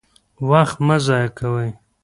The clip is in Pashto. وخت مه ضایع کوئ